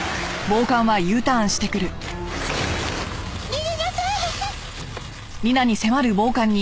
逃げなさい！